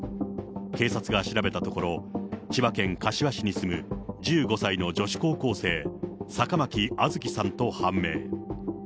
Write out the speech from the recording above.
警察が調べたところ、千葉県柏市に住む１５歳の女子高校生、坂巻杏月さんと判明。